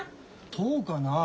そうかなあ。